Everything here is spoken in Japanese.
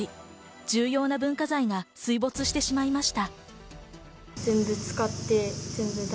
重要な文化財が水没してしまいました。